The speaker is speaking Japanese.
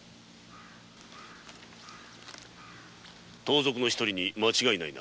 盗賊の一人に間違いない。